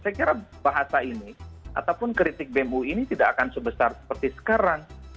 saya kira bahasa ini ataupun kritik bemu ini tidak akan sebesar seperti sekarang